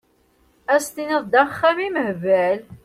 Ad s-tiniḍ d axxam imehbal!